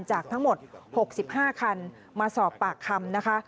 จากทั้งหมด๖๕คันมาสอบปากคำนะคะ